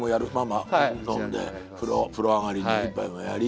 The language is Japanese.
飲んで風呂上がりに一杯もやり。